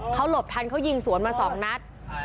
เค้าหลบทันเค้ายิงสวนมาสองนัด